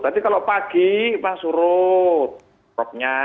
tadi kalau pagi mah surut roknya